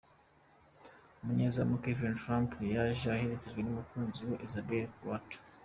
Umunyezamu Kevin Trapp yaje aherekejwe n’umukunzi we Izabel Goulart .